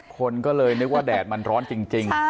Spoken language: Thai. คนก็เลยนึกว่าแดดมันร้อนจริง